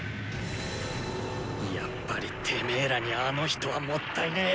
やっぱりテメェらにあの人はもったいねぇ。